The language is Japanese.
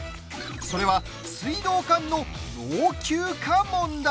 それは、水道管の老朽化問題。